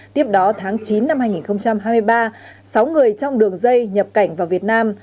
tiếp đó tháng chín năm hai nghìn hai mươi ba sáu người trong đường dây nhập cảnh vào việt nam